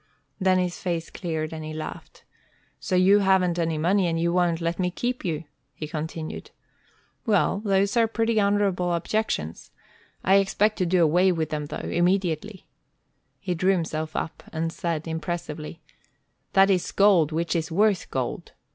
Then his face cleared, and he laughed. "So you haven't any money, and you won't let me keep you," he continued. "Well, those are pretty honorable objections. I expect to do away with them though, immediately." He drew himself up, and said, impressively: "'That is gold which is worth gold.'